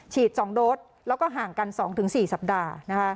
๒โดสแล้วก็ห่างกัน๒๔สัปดาห์